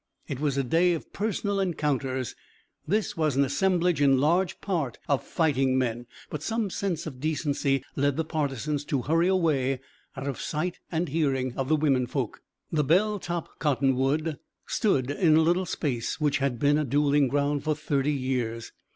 It was a day of personal encounters. This was an assemblage in large part of fighting men. But some sense of decency led the partisans to hurry away, out of sight and hearing of the womenfolk. The bell top cottonwood stood in a little space which had been a dueling ground for thirty years.